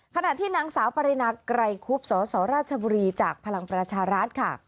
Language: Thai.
ขณะที่นางสาวปรินาไกรคุบสสราชบุรีจากพลังประชารัฐค่ะ